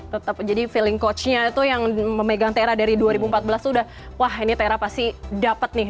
tetap jadi feeling coach nya itu yang memegang tera dari dua ribu empat belas itu udah wah ini tera pasti dapat nih